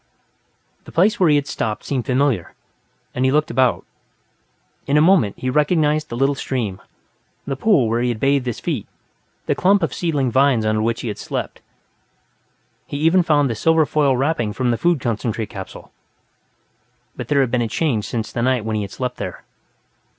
The place where he stopped seemed familiar, and he looked about. In a moment, he recognized the little stream, the pool where he had bathed his feet, the clump of seedling pines under which he had slept. He even found the silver foil wrapping from the food concentrate capsule. But there had been a change, since the night when he had slept here.